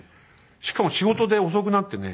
しかも仕事で遅くなってね